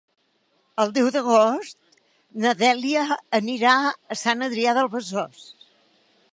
El deu d'agost na Dèlia anirà a Sant Adrià de Besòs.